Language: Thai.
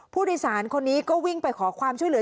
ผู้โดยสารคนนี้ก็วิ่งไปขอความช่วยเหลือ